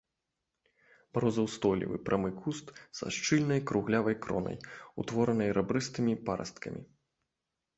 Марозаўстойлівы прамы куст са шчыльнай круглявай кронай, утворанай рабрыстымі парасткамі.